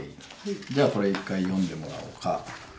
じゃあこれ一回読んでもらおうか。